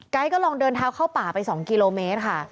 ก็ลองเดินเท้าเข้าป่าไป๒กิโลเมตรค่ะ